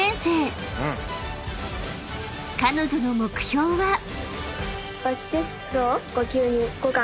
［彼女の目標は］